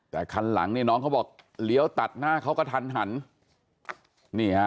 แต่คันหลังเนี่ยน้องเขาบอกเลี้ยวตัดหน้าเขาก็ทันหันนี่ฮะ